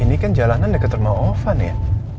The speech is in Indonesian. ini kan jalanan dekat rumah ovan ya